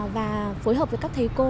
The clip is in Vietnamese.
và phối hợp với các thầy cô